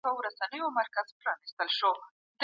که د منکر د منعي توان ونلري، نو دعوت دي نه مني.